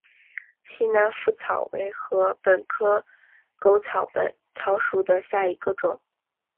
西南莩草为禾本科狗尾草属下的一个种。